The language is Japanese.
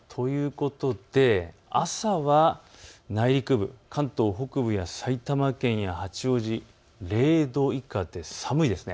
朝は内陸部、関東北部や埼玉県や八王子、０度以下で寒いです。